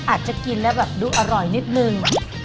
อาจจะกินแล้วแบบดูอร่อยนิดนึง